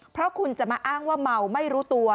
เพราะคุณจะมาอ้างว่าเมาไม่รู้ตัว